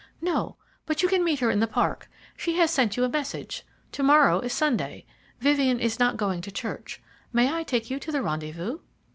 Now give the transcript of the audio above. "No, but you can meet her in the park. She has sent you a message. To morrow is Sunday. Vivien is not going to church. May I take you to the rendezvous?"